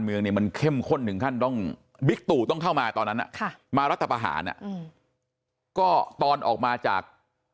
เมืองเนี่ยมันเข้มข้นถึงขั้นต้องบิ๊กตู่ต้องเข้ามาตอนนั้นมารัฐประหารก็ตอนออกมาจาก